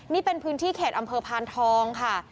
นี่เป็นพื้นที่เขตอำเภอพานทองค่ะ